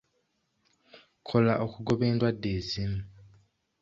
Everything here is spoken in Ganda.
Kola okugoba endwadde ezimu.